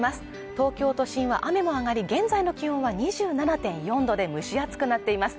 東京都心は雨も上がり現在の気温は２７．４度で蒸し暑くなっています。